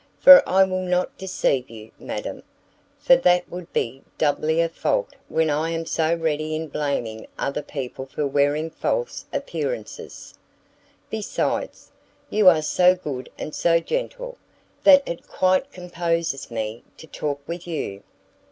for I will not deceive you, madam, for that would be doubly a fault when I am so ready in blaming other people for wearing false appearances: besides, you are so good and so gentle, that it quite composes me to talk with you.